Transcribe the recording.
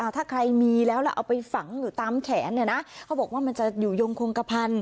ถ้าใครมีแล้วแล้วเอาไปฝังอยู่ตามแขนเนี่ยนะเขาบอกว่ามันจะอยู่ยงคงกระพัน